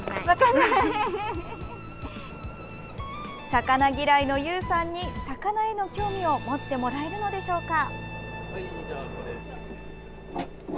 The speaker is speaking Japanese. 魚嫌いのゆうさんに魚への興味を持ってもらえるのでしょうか。